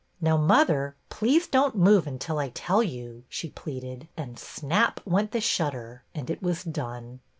'' Now, mother, please don't move until I tell you," she pleaded, and snap! went the shutter, and it was done.